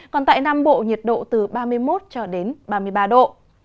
còn tại nam bộ nhiệt độ từ ba mươi một cho đến ba mươi ba độ